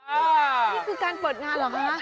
อ้าวนี่คือการเปิดงานหรือครับ